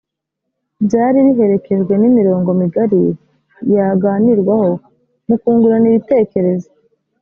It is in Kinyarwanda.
byari biherekejwe n’imirongo migari yaganirwaho mu kungurana ibitekerezo